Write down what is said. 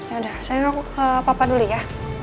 yaudah saya nunggu ke papa dulu ya